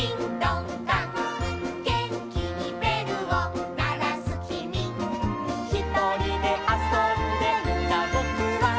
「げんきにべるをならすきみ」「ひとりであそんでいたぼくは」